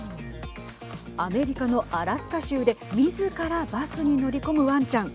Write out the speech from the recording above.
アメリカのアラスカ州でみずからバスに乗り込むワンちゃん。